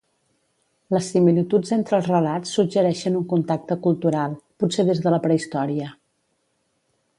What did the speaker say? Les similituds entre els relats suggereixen un contacte cultural, potser des de la prehistòria.